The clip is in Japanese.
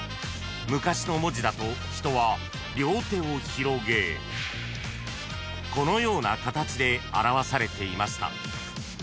［昔の文字だと人は両手を広げ］［このような形で表されていました］